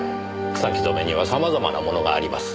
草木染めには様々なものがあります。